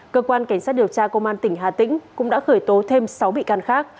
cơ quan cảnh sát điều tra công an tỉnh hà tĩnh cũng đã khởi tố thêm sáu bị can khác